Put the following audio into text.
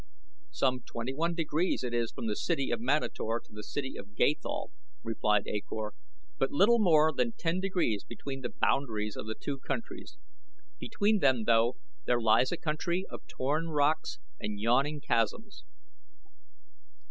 "Some twenty one degrees it is from the city of Manator to the city of Gathol," replied A Kor; "but little more than ten degrees between the boundaries of the two countries. Between them, though, there lies a country of torn rocks and yawning chasms."